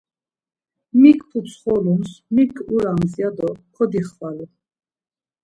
Mik putsxolums, mik urams ya do kodixvalu.